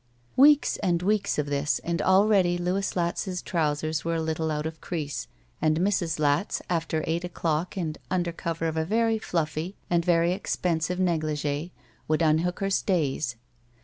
Weeks and weeks of this, and already Louis Latz's trousers were a little out of crease, and Mrs. Latz, after eight o'clock and imder cover of a very fluffy and very expensive negligee, would unhook her stays.